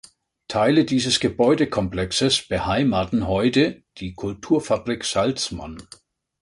Teile dieses Gebäudekomplexes beheimaten heute die Kulturfabrik Salzmann.